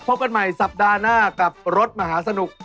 พบกันใหม่สัปดาห์หน้ากับรถมหาสนุก